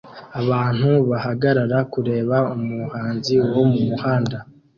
Abantu bahagarara kureba umuhanzi wo mumuhanda